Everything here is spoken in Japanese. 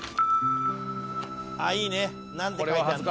いいね！なんて書いてあるの？